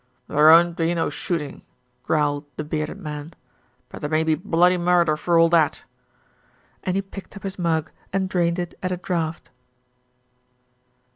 "There 'oant be no shootin'," growled the bearded man; "but there may be bloody murder for all that," and he picked up his mug and drained it at a draught.